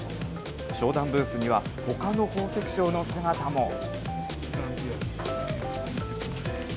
商談ブースには、ほかの宝石商の姿も。